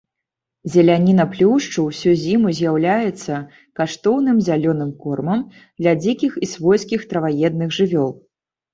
Зеляніна плюшчу ўсю зіму з'яўляецца каштоўным зялёным кормам для дзікіх і свойскіх траваедных жывёл.